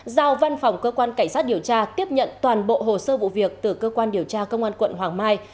giao văn phòng cơ quan cảnh sát điều tra tiếp nhận toàn bộ hồ sơ vụ việc từ cơ quan điều tra công an quận hoàng mai